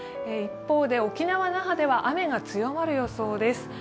一方で沖縄・那覇では雨が強まる予想です。